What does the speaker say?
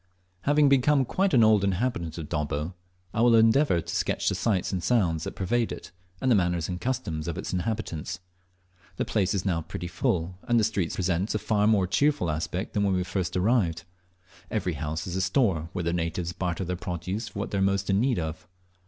Having become quite an old inhabitant of Dobbo, I will endeavour to sketch the sights and sounds that pervade it, and the manners and customs of its inhabitants. The place is now pretty full, and the streets present a far more cheerful aspect than when we first arrived. Every house is a store, where the natives barter their produce for what they are most in need of.